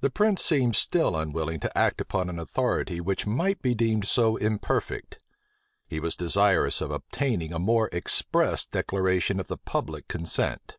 The prince seemed still unwilling to act upon an authority which might be deemed so imperfect: he was desirous of obtaining a more express declaration of the public consent.